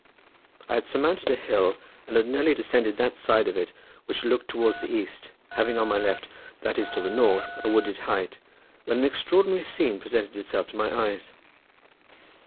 I had surmounted a hill and had nearly descended that side of it which looked towards the east, having on my left, that is to the north, a wooded height, when an extraordinary scene presented itself to my eyes.